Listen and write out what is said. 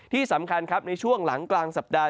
ที่สำคัญครับในช่วงหลังกลางสัปดาห